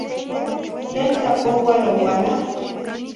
Tlen tlapoual ouala?